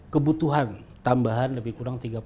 kebutuhan tambahan lebih kurang